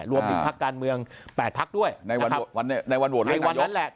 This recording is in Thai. รวมถึงผิดพระกาศมืองแปบทั้งด้วยในวันโหวดและในวันนั้นแหละ